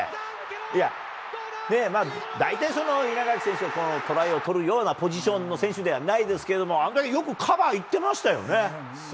いやね、大体、稲垣選手、トライを取るようなポジションの選手ではないですけれども、案外、よくカバー行ってましたよね。